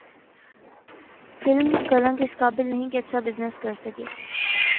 film Kalank اس قابل نہیں تھی کہ اچھا بزنس کرسکے